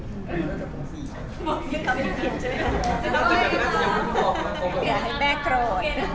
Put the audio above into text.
อาจจะไม่ได้ดู